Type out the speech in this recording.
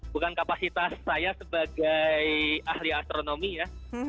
bukan kapasitas saya sebagai ahli astronomi ya